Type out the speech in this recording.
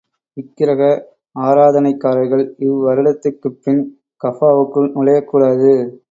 விக்கிரக ஆராதனைக்காரர்கள், இவ்வருடத்துக்குப் பின் கஃபாவுக்குள் நுழையக் கூடாது.